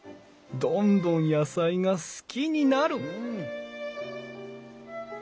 どんどん野菜が好きになる！